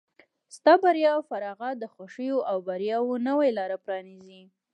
ستا بریا او فارغت د خوښیو او بریاوو نوې لاره پرانیزي.